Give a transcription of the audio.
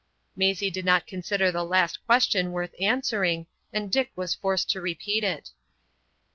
Maisie did not consider the last question worth answering, and Dick was forced to repeat it.